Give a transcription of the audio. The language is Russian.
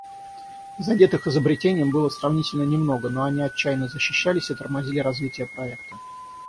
Задетых изобретением было сравнительно немного, но они отчаянно защищались и тормозили развитие проекта.